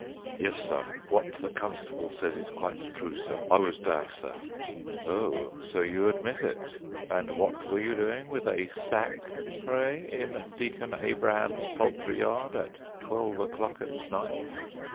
"Yes, sar, what the constable sez is quite true, sar; I was dar, sar." "Oh, so you admit it? And what were you doing with a sack, pray, in Deacon Abraham's poultry yard at twelve o'clock at night?"